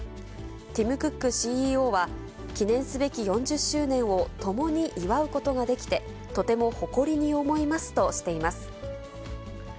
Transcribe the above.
ティム・クックＣＥＯは、記念すべき４０周年を、共に祝うことができて、とても誇りに思いますとしています。